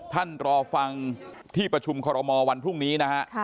ท่านรอฟังที่ประชุมคอรมอวันพรุ่งนี้